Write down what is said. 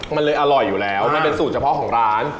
มันเลยอร่อยอยู่แล้วมันเป็นสูตรเฉพาะของร้าน